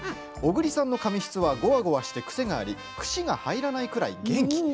小栗さんの髪質は、ごわごわして癖がありくしが入らないくらい元気。